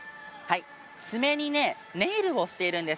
爪にネイルをしているんです。